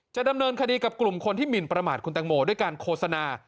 จะดำเนินคดีกับกลุ่มคนที่หมินประมาทคุณตังโมด้วยการโฆษณา